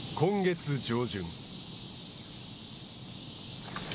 今月上旬。